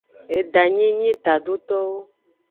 Edanyi nyi tadotowo.